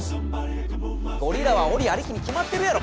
ゴリラは檻ありきに決まってるやろ！